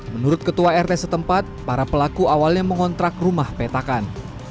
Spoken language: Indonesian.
menurut ketua rt setempat para pelaku awalnya mengontrak rumah petakan